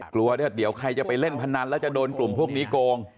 กลัวว่าเดี๋ยวใครจะไปเล่นพนันแล้วจะโดนกลุ่มพวกนี้โกง